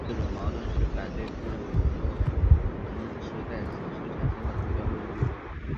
这种矛盾是反对布鲁诺坑是在此时产生的主要论据。